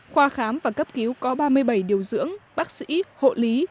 khoa khám và cấp cứu có ba mươi bảy điều dưỡng bác sĩ hộ lý